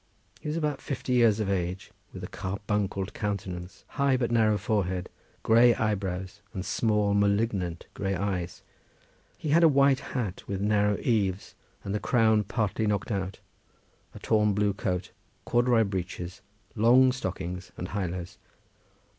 He was about fifty years of age, with a carbuncled countenance, high but narrow forehead, grey eyebrows, and small, malignant grey eyes. He had a white hat with narrow eaves, and the crown partly knocked out, a torn blue coat, corduroy breeches, long stockings and high lows.